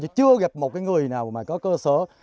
chưa gặp một người nào mà có cơ sở